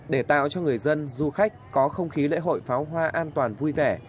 để tạo cho người dân du khách có không khí lễ hội pháo hoa an toàn vui vẻ